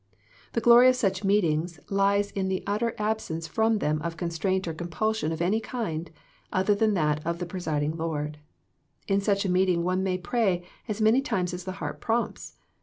The glory of such meetings lies in the utter ab sence from them of constraint or compulsion of any kind other than that of the presiding Lord. In such a meeting one may pray as many times as the heart prompts.